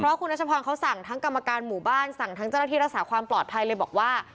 เพราะคุณรัชพรเขาสั่งทั้งกรรมการหมู่บ้านสั่งทั้งเจ้าหน้าที่รักษาความปลอดภัยเลยบอกว่า